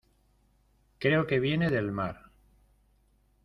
creo que viene del mar.